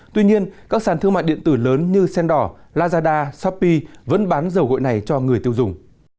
tuy nhiên các sản thương mại điện tử lớn như sendor lazada shopee vẫn bán dầu gội này cho người tiêu dùng